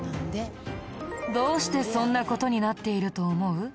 どうしてそんな事になっていると思う？